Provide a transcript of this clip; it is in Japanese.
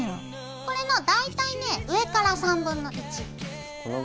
これの大体ね上から３分の１。